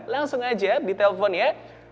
langsung aja di telepon ya